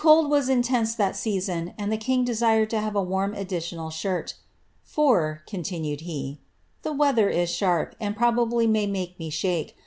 was intense at that season, and the king desired to have a onal shirt. ^ For," continued he, ^^ the weather is sharp, Y may make me shake.